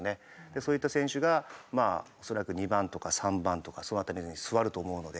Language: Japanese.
そういった選手が恐らく２番とか３番とかその辺りに座ると思うので。